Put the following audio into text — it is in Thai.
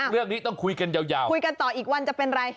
เรื่องนี้ต้องคุยกันยาวคุยกันต่ออีกวันจะเป็นอะไร